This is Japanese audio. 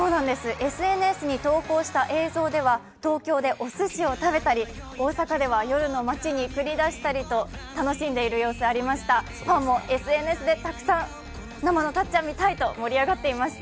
ＳＮＳに投稿した映像では東京でおすしを食べたり、大阪では夜の街に繰り出したりと楽しんでいる様子ありましたファンもＳＮＳでたくさん生のたっちゃんを見たいと盛り上がっていました。